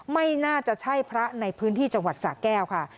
ไม่น่าจะใช่พระในพื้นที่จังหวัดสะแก้วค่ะ